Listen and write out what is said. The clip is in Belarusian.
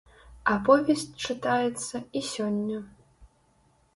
Аповесць чытаецца і сёння.